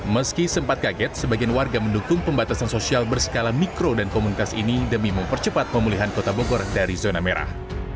meski sempat kaget sebagian warga mendukung pembatasan sosial berskala mikro dan komunitas ini demi mempercepat pemulihan kota bogor dari zona merah